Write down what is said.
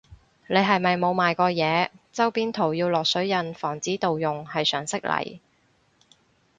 你係咪冇賣過嘢，周邊圖要落水印防止盜用係常識嚟